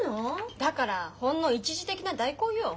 だからほんの一時的な代行よ。